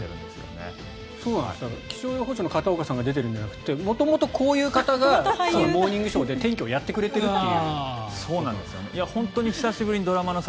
気象予報士の片岡さんが出ているんじゃなくて元々こういう方が「モーニングショー」で天気をやってくれているという。